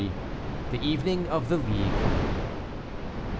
THE EVENING OF THE LEAGUE.